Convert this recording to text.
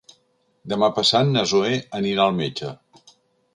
Demà passat na Zoè anirà al metge.